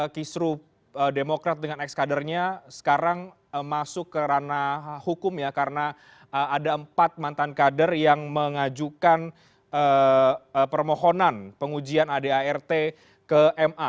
kisru demokrat dengan ex kadernya sekarang masuk ke ranah hukum ya karena ada empat mantan kader yang mengajukan permohonan pengujian adart ke ma